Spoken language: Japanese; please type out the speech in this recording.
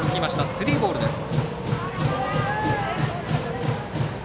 スリーボールです。